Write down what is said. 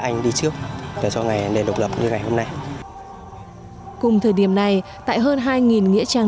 anh đi trước để cho ngày nền độc lập như ngày hôm nay cùng thời điểm này tại hơn hai nghĩa trang